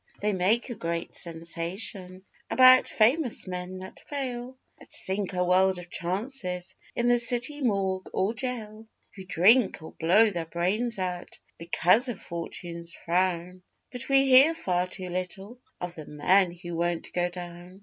They make a great sensation About famous men that fail, That sink a world of chances In the city morgue or gaol, Who drink, or blow their brains out, Because of 'Fortune's frown.' But we hear far too little Of the men who won't go down.